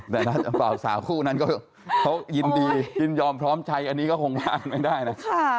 แต่รัฐบาลสาวคู่นั้นก็ยินยอมพร้อมใช้อันนี้ก็คงวางไม่ได้นะ